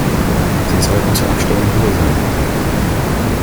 Sie sollten zur Abstimmung hier sein!